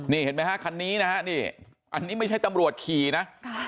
นี่เห็นไหมฮะคันนี้นะฮะนี่อันนี้ไม่ใช่ตำรวจขี่นะ